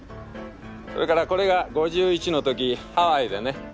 それからこれが５１の時ハワイでね。